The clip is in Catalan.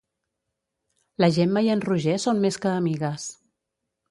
La Gemma i en Roger són més que amigues.